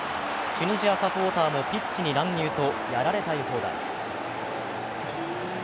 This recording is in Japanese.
チュニジアサポーターもピッチに乱入と、やられたい放題。